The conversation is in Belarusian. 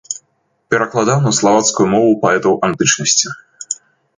Перакладаў на славацкую мову паэтаў антычнасці.